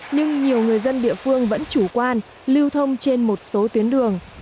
nhưng nhiều người dân địa phương vẫn chủ quan lưu thông trên một số tuyến đường